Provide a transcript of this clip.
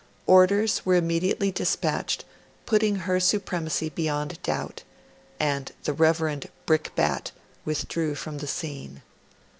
Orders were immediately dispatched putting her supremacy beyond doubt, and the Reverend Brickbat withdrew from the scene.